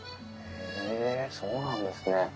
へえそうなんですね。